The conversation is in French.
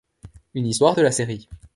Une histoire de la série.